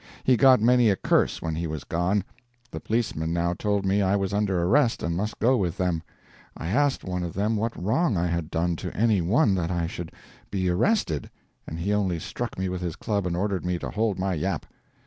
He got many a curse when he was gone. The policemen now told me I was under arrest and must go with them. I asked one of them what wrong I had done to any one that I should be arrested, and he only struck me with his club and ordered me to "hold my yap."